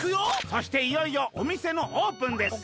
そしていよいよおみせのオープンです」。